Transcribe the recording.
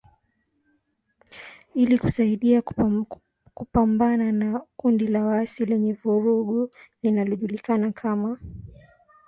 ili kusaidia kupambana na kundi la waasi lenye vurugu linalojulikana kama